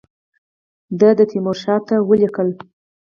ده تیمورشاه ته ولیکل.